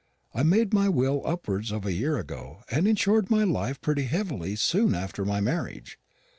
I made my will upwards of a year ago, and insured my life pretty heavily soon after my marriage.